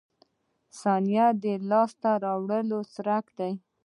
• ثانیه د لاسته راوړنې څرک دی.